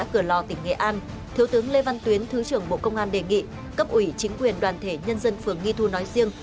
cửa lò tỉnh nghệ an thiếu tướng lê văn tuyến thứ trưởng bộ công an đề nghị cấp ủy chính quyền đoàn thể nhân dân phường nghi thu nói riêng